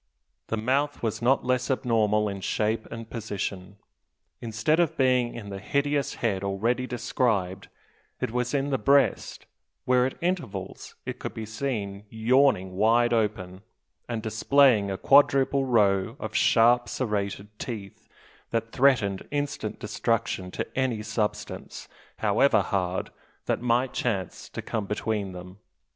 The mouth was not less abnormal in shape and position. Instead of being in the hideous head already described, it was in the breast, where at intervals it could be seen yawning wide open, and displaying a quadruple row of sharp serrated teeth, that threatened instant destruction to any substance, however hard, that might chance to come between them.